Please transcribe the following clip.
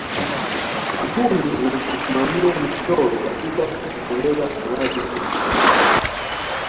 Kubuni na kusimamia michoro katika kutelekeza mradio huu